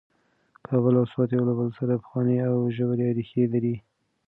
کابل او سوات یو له بل سره پخوانۍ او ژورې ریښې لري.